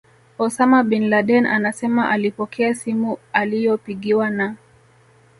Osama Bin Laden anasema alipokea simu aliyopigiwa na